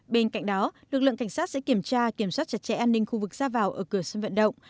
bên cạnh đó lực lượng cảnh sát sẽ kiểm tra kiểm soát chặt chẽ an ninh khu vực ra vào ở cửa sân vận động